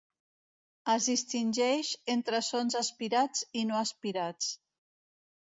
Es distingeix entre sons aspirats i no aspirats.